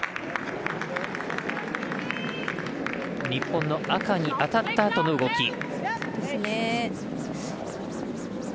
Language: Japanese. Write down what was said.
日本の赤に当たったあとの動き。